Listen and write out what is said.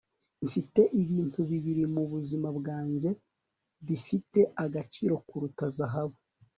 mfite ibintu bibiri mubuzima bwanjye bifite agaciro kuruta zahabu